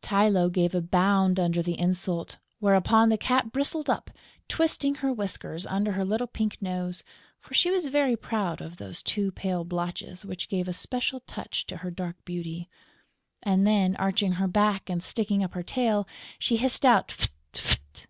Tylô gave a bound under the insult, whereupon the Cat bristled up, twisting her whiskers under her little pink nose (for she was very proud of those two pale blotches which gave a special touch to her dark beauty); and then, arching her back and sticking up her tail, she hissed out, "Fft! Fft!"